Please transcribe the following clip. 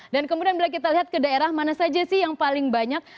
kemudian bila kita lihat ke daerah mana saja sih yang paling banyak